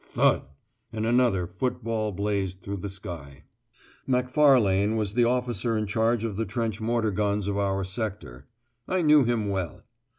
"Thud!" and another football blazed through the sky. Macfarlane was the officer in charge of the trench mortar guns of our sector. I knew him well.